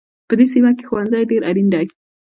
په دې سیمه کې ښوونځی ډېر اړین دی